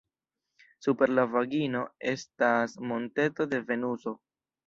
Super la vagino estas monteto de Venuso.